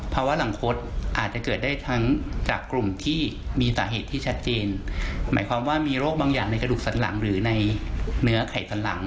หลังคดอาจจะเกิดได้ทั้งจากกลุ่มที่มีสาเหตุที่ชัดเจนหมายความว่ามีโรคบางอย่างในกระดูกสันหลังหรือในเนื้อไข่สันหลัง